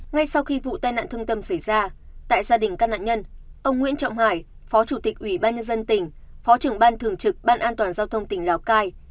ngay sau khi vụ tai nạn thương tâm xảy ra tại gia đình các nạn nhân ông nguyễn trọng hải phó chủ tịch ủy ban nhân dân tỉnh phó trưởng ban thường trực ban an toàn giao thông tỉnh lào cai